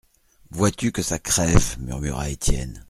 Vois-tu que ça crève ! murmura Étienne.